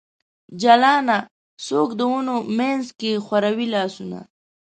جلانه ! څوک د ونو منځ کې خوروي لاسونه ؟